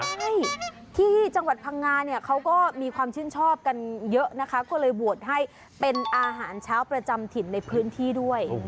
ใช่ที่จังหวัดพังงาเนี่ยเขาก็มีความชื่นชอบกันเยอะนะคะก็เลยบวชให้เป็นอาหารเช้าประจำถิ่นในพื้นที่ด้วย